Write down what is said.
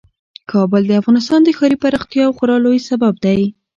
کابل د افغانستان د ښاري پراختیا یو خورا لوی سبب دی.